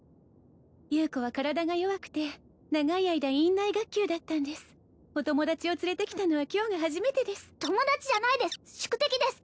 優子は体が弱くて長い間院内学級だったんですお友達を連れてきたのは今日が初めてです友達じゃないです宿敵です